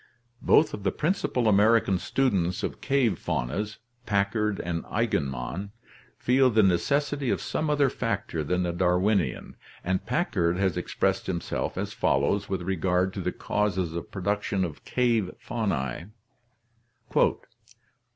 Both of the principal American students of cave faunas, Packard and Eigenmann, feel the necessity of some other factor than the Darwinian, and Packard has expressed himself as follows with regard to the causes of pro duction of cave faunae: 1.